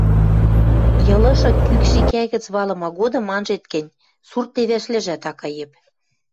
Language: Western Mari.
Йылышы кӱкшикӓ гӹц валымы годым анжет гӹнь, сурт левӓшвлӓжӓт ак каеп